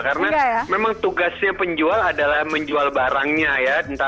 karena memang tugasnya penjual adalah menjual barangnya ya